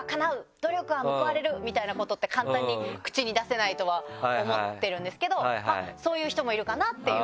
「努力は報われる！」みたいなことって簡単に口に出せないとは思ってるんですけどそういう人もいるかなっていう。